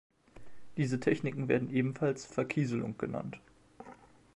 Diese Techniken werden ebenfalls "Verkieselung" genannt.